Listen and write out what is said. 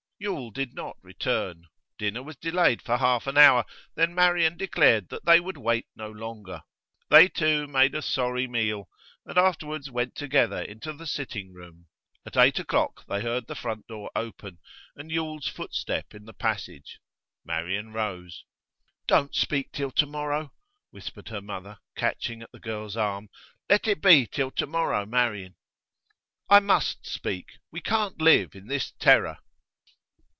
Yule did not return. Dinner was delayed for half an hour, then Marian declared that they would wait no longer. They two made a sorry meal, and afterwards went together into the sitting room. At eight o'clock they heard the front door open, and Yule's footstep in the passage. Marian rose. 'Don't speak till to morrow!' whispered her mother, catching at the girl's arm. 'Let it be till to morrow, Marian!' 'I must speak! We can't live in this terror.